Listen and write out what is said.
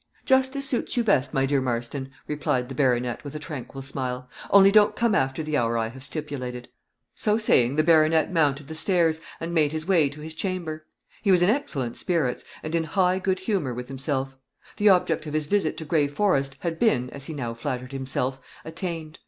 "Just as suits you best, my dear Marston," replied the baronet, with a tranquil smile; "only don't come after the hour I have stipulated." So saying, the baronet mounted the stairs, and made his way to his chamber. He was in excellent spirits, and in high good humor with himself: the object of his visit to Gray Forest had been, as he now flattered himself, attained.